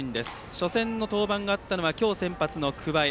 初戦の登板があったのは今日先発の桑江。